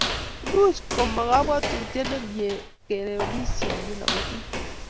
imuchi komo kabwotut nemie keomisio yan iloboti